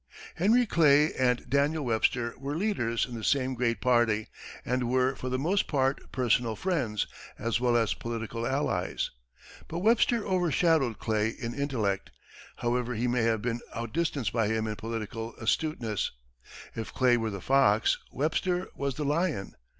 Henry Clay and Daniel Webster were leaders in the same great party, and were, for the most part, personal friends as well as political allies. But Webster overshadowed Clay in intellect, however he may have been outdistanced by him in political astuteness. If Clay were the fox, Webster was the lion.